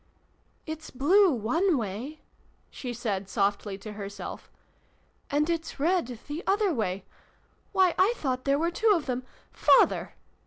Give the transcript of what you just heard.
"It's blue, one way," she said softly to herself, " and it's red, the other way ! Why, I thought there were two of them Father